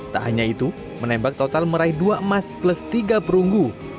tak hanya itu menembak total meraih dua emas plus tiga perunggu